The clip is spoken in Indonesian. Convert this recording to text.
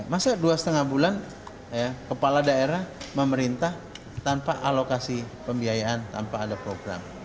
masa dua lima bulan kepala daerah memerintah tanpa alokasi pembiayaan tanpa ada program